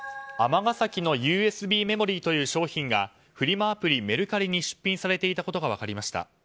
尼崎のＵＳＢメモリーという商品がフリマアプリ、メルカリに出品されていたことが分かりました。